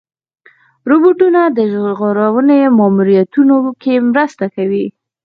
روبوټونه د ژغورنې ماموریتونو کې مرسته کوي.